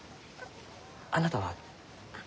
あなたは？